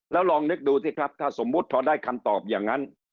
แล้วลองนึกดูสิครับถ้าสมมุติพอได้คำตอบอย่างนั้น